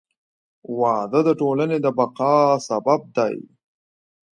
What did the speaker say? • واده د ټولنې د بقا سبب دی.